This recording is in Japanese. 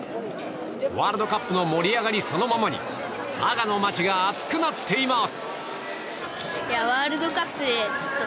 ワールドカップの盛り上がりそのままに佐賀の街が熱くなっています。